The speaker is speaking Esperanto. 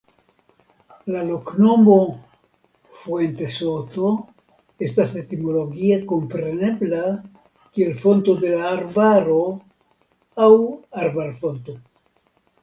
La loknomo "Fuentesoto" estas etimologie komprenebla kiel Fonto de la Arbaro aŭ Arbarfonto.